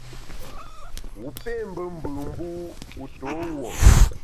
Wu pé mbe mbù, mbu wu to wuo ?